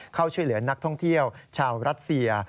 เข้าช่วยเหลือนักท่องเที่ยวชาวรัสเซีย